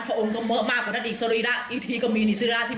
พระองค์ก็เหมือนมากกว่านั้นอย่างนี้สรีระนี้เยี่ยมก็มีนี่สรีระที่